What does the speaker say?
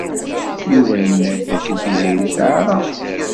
Yuba yenna-d dakken Tiziri teɛreq.